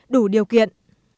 đủ điều kiện